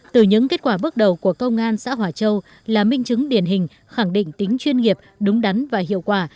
từ những kết quả bước đầu của công an xã hòa châu là minh chứng điển hình khẳng định tính chuyên nghiệp đúng đắn và hiệu quả